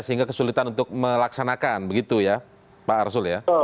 sehingga kesulitan untuk melaksanakan begitu ya pak arsul ya